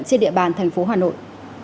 trên địa bàn thành phố hà nội